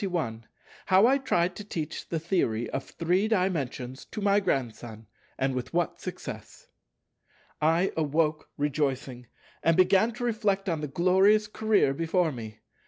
§ 21 How I tried to teach the Theory of Three Dimensions to my Grandson, and with what success I awoke rejoicing, and began to reflect on the glorious career before me.